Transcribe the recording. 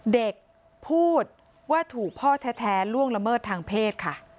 เด็กพูดว่าถูกพ่อแท้ล่วงละเมิดทางเพศค่ะ